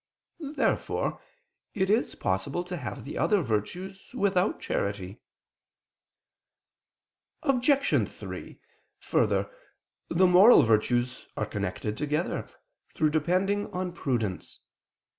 Therefore it is possible to have the other virtues without charity. Obj. 3: Further, the moral virtues are connected together, through depending on prudence.